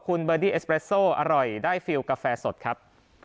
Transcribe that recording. กาแฟสดครับ